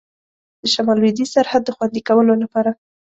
د شمال لوېدیځ سرحد د خوندي کولو لپاره.